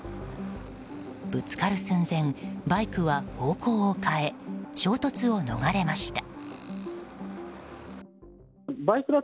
ぶつかる寸前バイクは方向を変え衝突を逃れました。